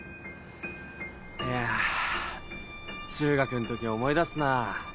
いやぁ中学んとき思い出すな。